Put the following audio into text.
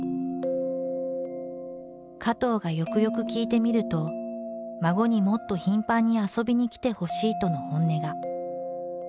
加藤がよくよく聞いてみると「孫にもっと頻繁に遊びに来てほしい」との本音が。